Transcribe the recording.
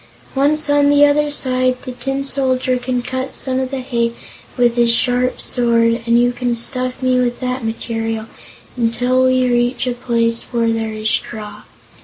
Once on the other side, the Tin Soldier can cut some of the hay with his sharp sword, and you can stuff me with that material until we reach a place where there is straw.